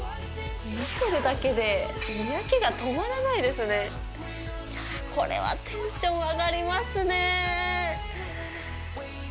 見てるだけでにやけが止まらないですね、これはテンション上がりますね。